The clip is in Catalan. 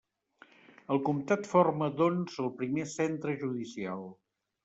El comtat forma, doncs, el primer centre judicial.